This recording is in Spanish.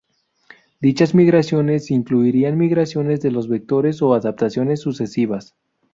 Dichas migraciones incluirían migraciones de los vectores o adaptaciones sucesivas.